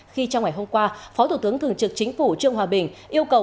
khi trong ngày hôm qua phó thủ tướng thường trực chính phủ trương hòa bình yêu cầu